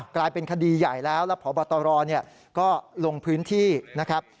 กลายเป็นคดีใหญ่แล้วแล้วพบตรก็ลงพื้นที่นะครับ